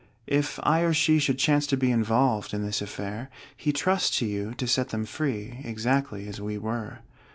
If I or she should chance to be Involved in this affair, He trusts to you to set them free, Exactly as we were.